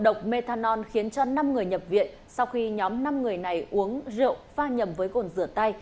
độc methanol khiến cho năm người nhập viện sau khi nhóm năm người này uống rượu pha nhầm với cồn rửa tay